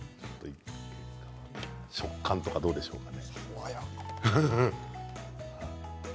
食感とかどうでしょうか？